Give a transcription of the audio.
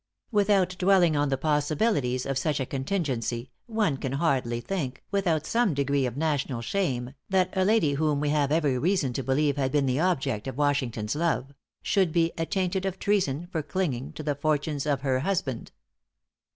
Without dwelling on the possibilities of such a contingency, one can hardly think, without some degree of national shame, that a lady whom we have every reason to believe had been the object of Washington's love, "should be attainted of treason for clinging to the fortunes of her husband."